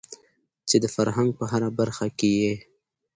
چې د فرهنګ په هره برخه کې يې